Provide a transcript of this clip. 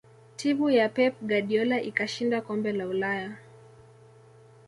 timu ya pep guardiola ikashinda kombe la ulaya